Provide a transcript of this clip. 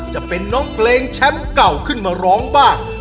จะเป็นน้องเพลงแชมป์เก่าขึ้นมาร้องบ้าง